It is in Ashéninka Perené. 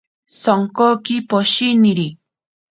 Sonkoki poshiniri.